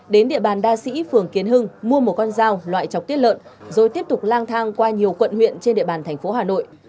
đến địa bàn đa sĩ phường kiến hưng mua một con dao loại chọc tiết lợn rồi tiếp tục lang thang qua nhiều quận huyện trên địa bàn thành phố hà nội